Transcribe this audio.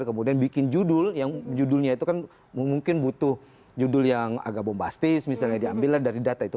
kemudian bikin judul yang judulnya itu kan mungkin butuh judul yang agak bombastis misalnya diambil dari data itu